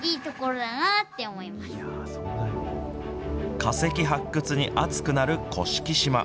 化石発掘に熱くなる甑島。